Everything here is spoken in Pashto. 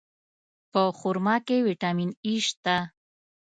په خرما کې ویټامین E شته.